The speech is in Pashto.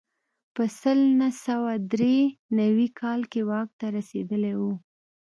په سل نه سوه درې نوي کال کې واک ته رسېدلی و.